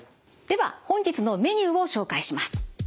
では本日のメニューを紹介します。